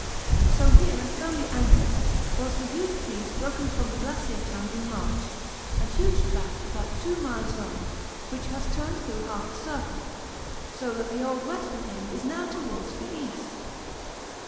So here firmly anchored was the huge piece broken from the Glacier Tongue in March, a huge tract about 2 miles long, which has turned through half a circle, so that the old western end is now towards the east.